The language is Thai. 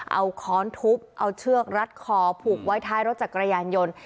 เอาค้อนทุบเอาเชือกรัดคอผูกไว้ท้ายรถจักรยานยนต์